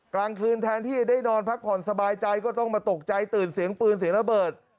กลางคืนแทนที่ได้นอนพักผ่อนสบายใจก็ต้องมาตกใจตื่นเสียงปืนเสียงระเบิด